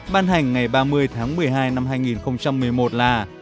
ban hành ngày ba mươi tháng một mươi hai năm hai nghìn một mươi một là